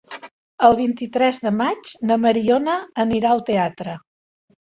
El vint-i-tres de maig na Mariona anirà al teatre.